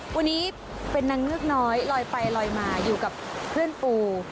วันนี้เป็นนางเงือกน้อยลอยไปลอยมาอยู่กับเพื่อนปู